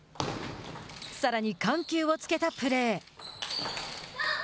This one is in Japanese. さらに緩急をつけたプレー。